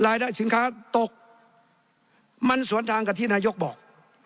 สินค้าตกมันสวนทางกับที่นายกบอก